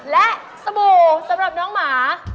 และสบู่สำหรับน้องหมา